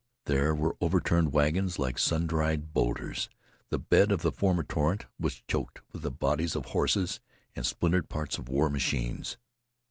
There were overturned wagons like sun dried bowlders. The bed of the former torrent was choked with the bodies of horses and splintered parts of war machines.